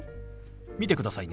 見てくださいね。